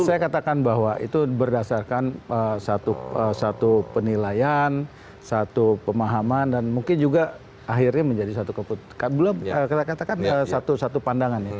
saya katakan bahwa itu berdasarkan satu penilaian satu pemahaman dan mungkin juga akhirnya menjadi satu keputusan